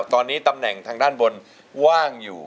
ตอนนี้ตำแหน่งทางด้านบนว่างอยู่